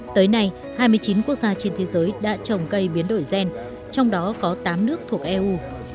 tới nay hai mươi chín quốc gia trên thế giới đã trồng cây biến đổi gen trong đó có tám nước thuộc eu